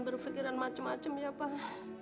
berpikiran macam macam ya pak